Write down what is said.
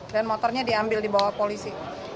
dan motornya diambil di bawah polisi